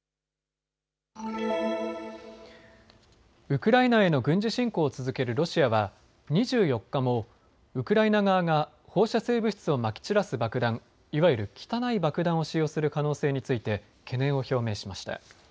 ウクライナへの軍事侵攻を続けるロシアは２４日もウクライナ側が放射性物質をまき散らす爆弾、いわゆる汚い爆弾を使用する可能性について懸念を表明しました。